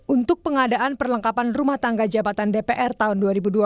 untuk pengadaan perlengkapan rumah tangga jabatan dpr tahun dua ribu dua puluh